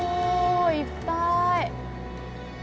いっぱい！